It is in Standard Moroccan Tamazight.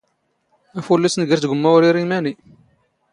ⴰⴼⵓⵍⵍⵓⵙ ⵏⴳⵔ ⵜⴳⵯⵎⵎⴰ ⵓⵔ ⵉⵔⵉ ⵎⴰⵏⵉ